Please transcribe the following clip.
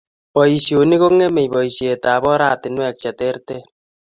Boisionik kongemei boisietab oratinwek che terter